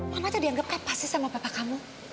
mama tuh dianggap kapasis sama papa kamu